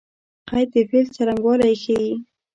قید د فعل څرنګوالی ښيي.